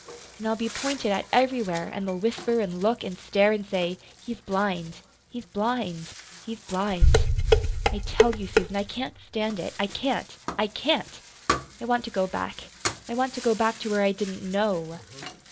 And I'll be pointed at everywhere; and they'll whisper and look and stare, and say, 'He's blind he's blind he's blind.' I tell you, Susan, I can't stand it. I can't I can't! I want to go back. I want to go back to where I didn't KNOW!"